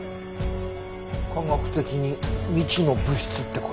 科学的に未知の物質って事？